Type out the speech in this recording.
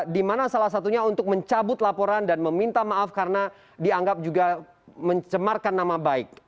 di mana salah satunya untuk mencabut laporan dan meminta maaf karena dianggap juga mencemarkan nama baik